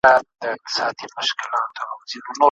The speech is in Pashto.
دا تور بدرنګه دا زامن د تیارو